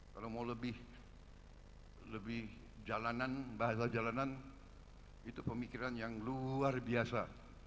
kalau mau lebih jalanan bahasa jalanan itu pemikiran yang luar biasa